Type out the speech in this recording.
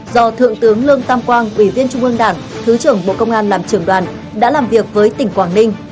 do thượng tướng lương tam quang ủy viên trung ương đảng thứ trưởng bộ công an làm trưởng đoàn đã làm việc với tỉnh quảng ninh